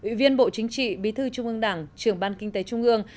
ủy viên bộ chính trị bí thư trung ương đảng trưởng ban kinh tế trung ương